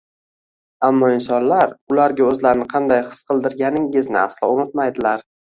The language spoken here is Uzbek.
Ammo insonlar ularga oʻzlarini qanday his qildirganingizni aslo unutmaydilar.